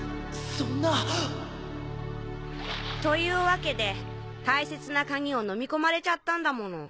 そんなというわけで大切な鍵をのみ込まれちゃったんだもの。